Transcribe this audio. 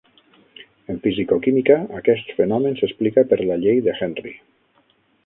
En fisicoquímica, aquest fenomen s'explica per la Llei de Henry.